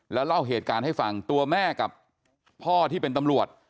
แล้วเล่าเหตุการณ์ให้ฟังตัวแม่กับพ่อที่เป็นตำรวจ